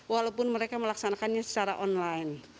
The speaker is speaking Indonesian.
walaupun mereka melaksanakannya secara online